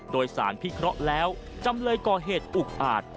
โดยสารพิเคราะห์แล้วจำเลยก่อเหตุอุกอาจ